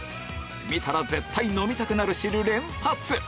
見たら絶対飲みたくなる汁連発！